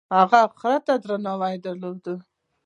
هغه خر ته درناوی درلود.